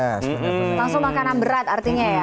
langsung makanan berat artinya ya